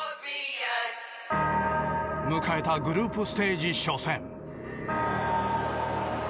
迎えたグループステージ初戦。